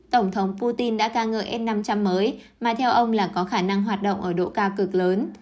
tổng thống putin đã ca ngợi s năm trăm linh mới mà theo ông là có khả năng hoạt động ở độ cao cực lớn